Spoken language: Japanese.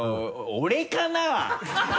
俺かな？